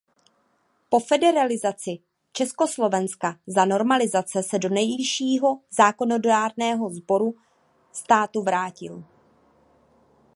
Po federalizaci Československa za normalizace se do nejvyššího zákonodárného sboru státu vrátil.